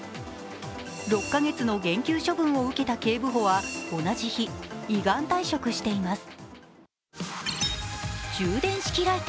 ６カ月の減給処分を受けた警部補は同じ日、依願退職しています。